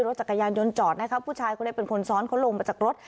รถจักรยานยนต์จอดนะคะผู้ชายคนนี้เป็นคนซ้อนเขาลงมาจากรถ